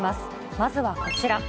まずはこちら。